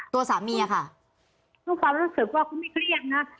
ตัวสามีอะค่ะด้วยความรู้สึกว่าคุณไม่เครียดนะ